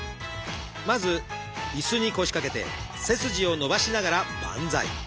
まず椅子に腰掛けて背筋を伸ばしながらバンザイ。